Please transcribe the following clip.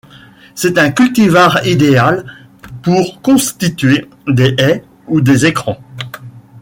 C'est un cultivar idéal pour constituer des haies ou des écrans.